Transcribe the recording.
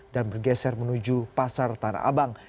dan bergeser menuju pasar tanah abang